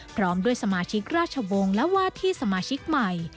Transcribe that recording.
พร้อมด้วยสมาชิกราชวงศ์และวาดที่สมาชิกใหม่